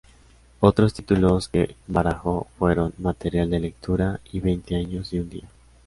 Otros títulos que barajó fueron "Material de lectura" y "Veinte años y un día".